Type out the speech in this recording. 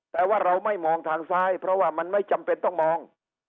แต่ว่าเราไม่มองทางซ้ายเพราะว่ามันไม่จำเป็นต้องมอง